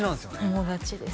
友達です